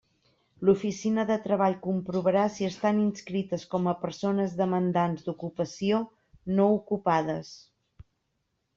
L'oficina de Treball comprovarà si estan inscrites com a persones demandants d'ocupació no ocupades.